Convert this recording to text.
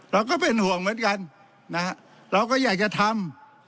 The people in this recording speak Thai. เราก็เป็นห่วงเหมือนกันนะฮะเราก็อยากจะทำ